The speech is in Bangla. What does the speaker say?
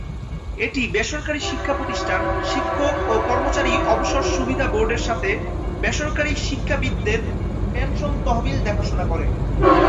এটি বেসরকারী শিক্ষা প্রতিষ্ঠান শিক্ষক ও কর্মচারী অবসর সুবিধা বোর্ডের সাথে বেসরকারী শিক্ষাবিদদের পেনশন তহবিল দেখাশোনা করে।